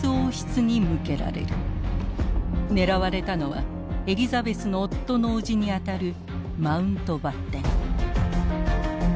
狙われたのはエリザベスの夫のおじにあたるマウントバッテン。